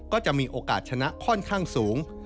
ก็จะมีโอกาสชนะค่อนข้างสูง